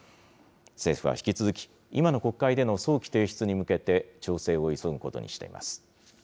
政府は引き続き、今の国会での早期提出に向けて調整を急ぐことにしています。